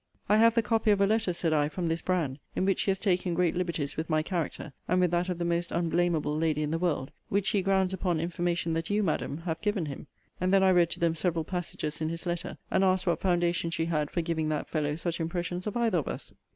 I have the copy of a letter, said I, from this Brand, in which he has taken great liberties with my character, and with that of the most unblamable lady in the world, which he grounds upon information that you, Madam, have given him. And then I read to them several passages in his letter, and asked what foundation she had for giving that fellow such impressions of either of us?